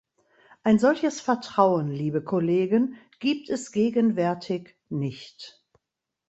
Ein solches Vertrauen, liebe Kollegen, gibt es gegenwärtig nicht.